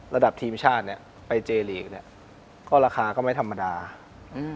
ระดับทีมชาติเนี้ยไปเจลีกเนี้ยก็ราคาก็ไม่ธรรมดาอืม